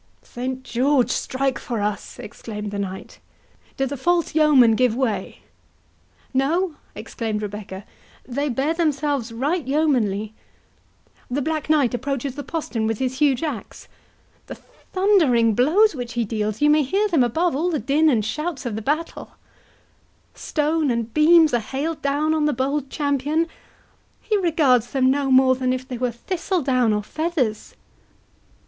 "Saint George strike for us!" exclaimed the knight; "do the false yeomen give way?" "No!" exclaimed Rebecca, "they bear themselves right yeomanly—the Black Knight approaches the postern with his huge axe—the thundering blows which he deals, you may hear them above all the din and shouts of the battle—Stones and beams are hailed down on the bold champion—he regards them no more than if they were thistle down or feathers!"